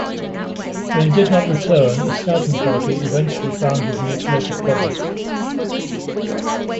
When he did not return, a scouting party eventually found his mutilated body.